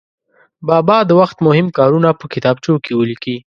بابا د وخت مهم کارونه په کتابچو کې ولیکي.